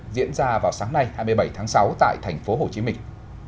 diễn ra vào sáng nay hai mươi bảy tháng sáu tại thành phố hồ chí minh